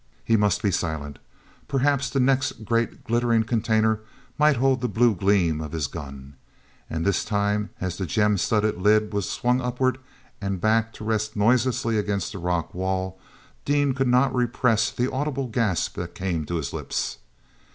He must be silent! Perhaps the next great glittering container might hold the blue gleam of his gun. And this time as the gem studded lid was swung upward and back to rest noiselessly against the rock wall, Dean could not repress the audible gasp that came to his lips.